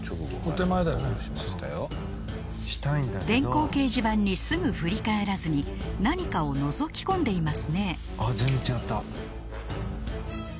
電光掲示板にすぐ振り返らずに何かをのぞき込んでいますね。